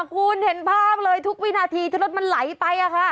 คุณเห็นภาพก็เห็นวินาทีทะเลอรถพาไป